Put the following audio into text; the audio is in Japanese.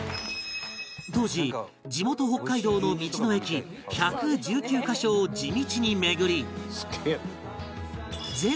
当時地元北海道の道の駅１１９カ所を地道に巡り